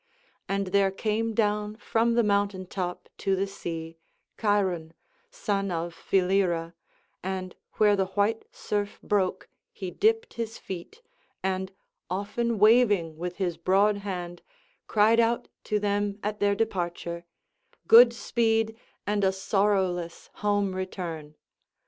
And there came down from the mountain top to the sea Chiron, son of Philyra, and where the white surf broke he dipped his feet, and, often waving with his broad hand, cried out to them at their departure, "Good speed and a sorrowless home return!"